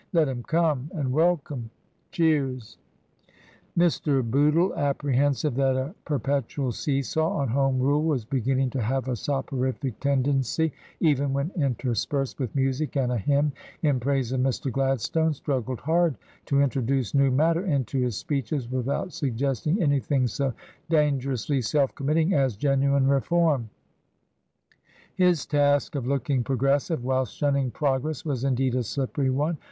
Let him come. And welcome /" (Cheers.)] Mr. Bootle, apprehensive that a perpetual see saw on Home Rule was beginning to have a soporific tendency even when interspersed with music and a hymn in praise of Mr. Gladstone, struggled hard to introduce new matter into his speeches without suggesting anything so dangerously self committing as genuine Reform. His task of looking Progressive whilst shunning Progress was indeed a slippery one.